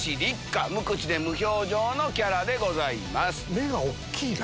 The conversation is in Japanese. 目が大っきいな。